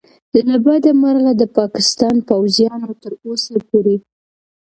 له بده مرغه د پاکستان پوځیانو تر اوسه پورې